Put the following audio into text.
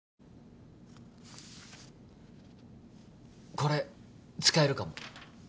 これ使えるかも。